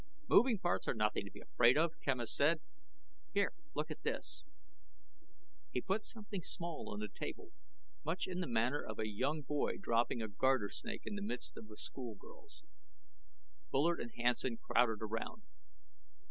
"Moving parts are nothing to be afraid of," Quemos said. "Here, look at this." He put something small on the table, much in the manner of a young boy dropping a garter snake in the midst of school girls. Bullard and Hansen crowded around.